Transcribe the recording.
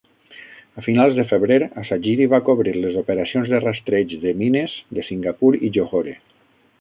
A finals de febrer, "Asagiri" va cobrir les operacions de rastreig de mines de Singapur i Johore.